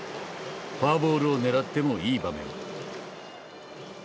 フォアボールを狙ってもいい場面。